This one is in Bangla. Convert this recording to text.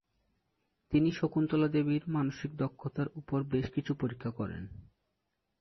তিনি শকুন্তলা দেবীর মানসিক দক্ষতার উপর বেশ কিছু পরীক্ষা করেন।